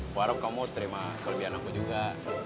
gua harap kamu terima kelebihan aku juga